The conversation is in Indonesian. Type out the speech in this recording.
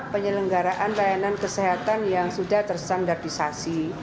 penyelenggaraan layanan kesehatan yang sudah tersandarisasi